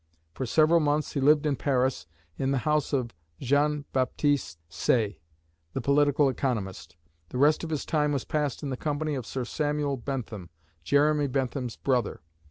For several months he lived in Paris, in the house of Jean Baptiste Say, the political economist. The rest of his time was passed in the company of Sir Samuel Bentham, Jeremy Bentham's brother.